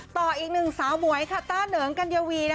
ต่ออีกหนึ่งสาวหมวยค่ะต้าเหนิงกัญญาวี